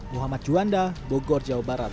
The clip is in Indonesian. muhammad juanda bogor jawa barat